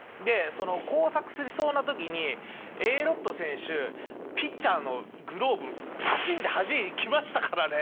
交錯しそうな時にＡ・ロッド選手ピッチャーのグローブバシン！ってはじきましたからね。